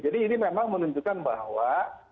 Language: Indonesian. jadi ini memang menunjukkan bahwa